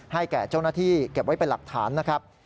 แก่เจ้าหน้าที่เก็บไว้เป็นหลักฐานนะครับ